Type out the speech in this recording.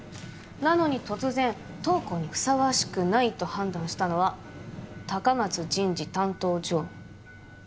なのに突然「当行にふさわしくない」と判断したのは高松人事担当常務。